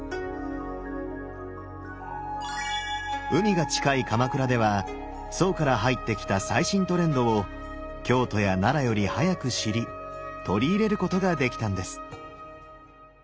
海が近い鎌倉では宋から入ってきた最新トレンドを京都や奈良より早く知り取り入れることができたんです。